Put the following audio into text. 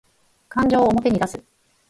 感情を表に出す